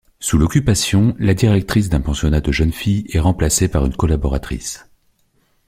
Sous l'Occupation, la directrice d'un pensionnat de jeunes filles est remplacée par une collaboratrice.